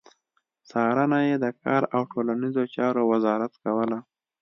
څارنه يې د کار او ټولنيزو چارو وزارت کوله.